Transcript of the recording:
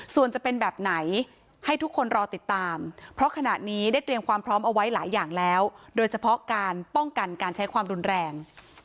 ส่วนจะเป็นแบบไหนให้ทุกคนรอติดตามเพราะขณะนี้ได้เตรียมความพร้อมเอาไว้หลายอย่างแล้วโดยเฉพาะการป้องกันการใช้ความรุนแรง